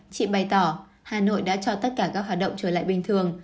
chị bày tỏ hà nội đã cho tất cả các hoạt động trở lại bình thường